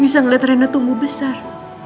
bisa ngeliat reina tumbuh besar